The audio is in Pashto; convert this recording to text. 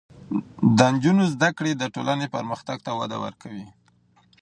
د نجونو زده کړې د ټولنې پرمختګ ته وده ورکوي.